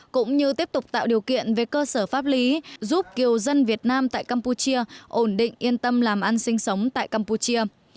cũng như tiếp tục tạo điều kiện về cơ sở pháp lý giúp kiều dân việt nam tại campuchia ổn định yên tâm làm ăn sinh sống tại campuchia